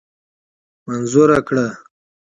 منظوره کړه.